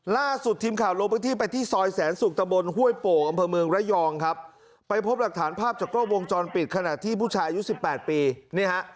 ล่าสุดทีมข่าวลงไปที่ซอยแสนสุกตะบลห้วยโปะอำเภอเมืองไร้ยองไปพบหลักฐานภาพจากโลกวงจรปิดขนาดที่ผู้ชายอายุ๑๘ปี